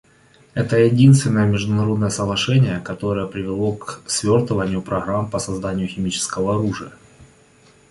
Это единственное международное соглашение, которое привело к свертыванию программ по созданию химического оружия.